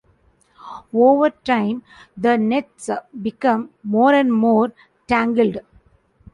Over time the nets become more and more tangled.